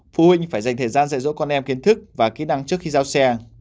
phụ huynh phải dành thời gian dạy dỗ con em kiến thức và kỹ năng trước khi giao xe